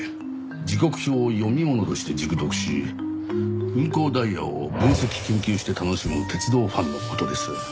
時刻表を読み物として熟読し運行ダイヤを分析研究して楽しむ鉄道ファンの事です。